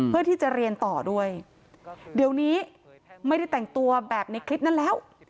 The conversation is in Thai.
เพื่อที่จะเรียนต่อด้วยเดี๋ยวนี้ไม่ได้แต่งตัวแบบในคลิปนั้นแล้ว